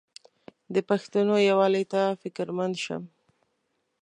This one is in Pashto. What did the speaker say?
د پښتنو یووالي ته فکرمند شم.